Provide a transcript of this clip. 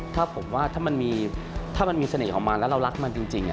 ถ้ามันมีเสน่ห์ของมันและเรารักมันจริง